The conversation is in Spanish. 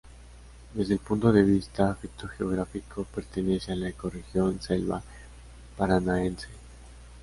Desde el punto de vista fitogeográfico pertenece a la ecorregión selva paranaense.